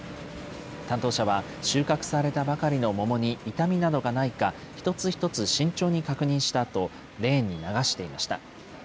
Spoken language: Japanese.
担当者は、収穫されたばかりの桃に傷みなどがないか、一つ一つ慎重に確認したあと、レーンに流していました。